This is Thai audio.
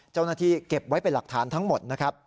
เจ้าหน้าที่เก็บไว้เป็นหลักฐานทั้งหมด